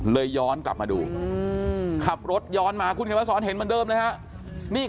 เลยย้อนกลับมาดูขับรถย้อนมาคุณเขวสรเห็นเมือนเดิมเลยครับ